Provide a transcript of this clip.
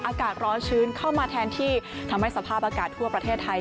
อากาศร้อนชื้นเข้ามาแทนที่ทำให้สภาพอากาศทั่วประเทศไทย